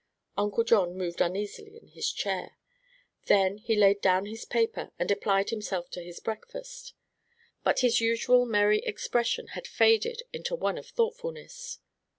Uncle John moved uneasily in his chair. Then he laid down his paper and applied himself to his breakfast. But his usual merry expression had faded into one of thoughtfulness.